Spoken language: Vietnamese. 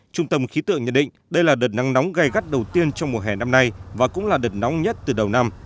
trung tâm khí tượng nhận định đây là đợt nắng nóng gây gắt đầu tiên trong mùa hè năm nay và cũng là đợt nóng nhất từ đầu năm